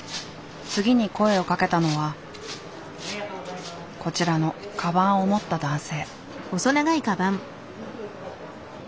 次に声をかけたのはこちらのカバンを持った男性。